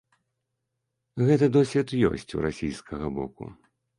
Гэты досвед ёсць у расійскага боку.